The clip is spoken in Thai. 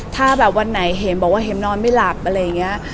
ถ้าแบบวันไหนเห็มบอกว่าเห็มนอนไม่หลับอะไรอย่างนี้